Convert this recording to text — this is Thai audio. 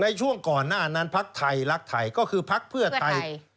ช่วงก่อนหน้านั้นพักไทยรักไทยก็คือพักเพื่อไทย